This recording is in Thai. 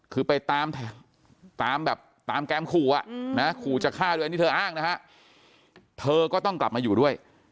คือไปตามแบบตามแกมขู่อ่ะนะขู่จะฆ่าด้วยอันนี้เธออ้างนะฮะเธอก็ต้องกลับมาอยู่ด้วย